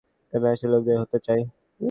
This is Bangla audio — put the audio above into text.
আমি সেই লোকদের হত্যা করতে চাই।